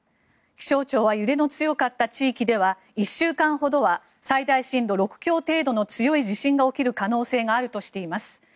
気象庁は揺れの強かった地域では１週間ほどは最大震度６強程度の強い地震が起きる可能性があるとしています。